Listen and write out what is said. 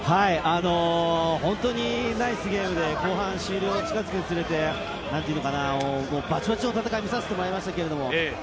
本当にナイスゲームで、後半終了に近づくにつれて、バチバチの戦いを見させてもらいましたけれども。